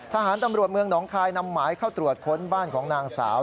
ทหารตำรวจเมืองหนองคายนำหมายเข้าตรวจค้นบ้านของนางสาว